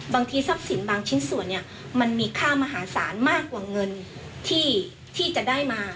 บางทีทรัพย์สินบางชิ้นส่วนเนี่ยมันมีค่ามหาศาลมากกว่าเงินที่จะได้มา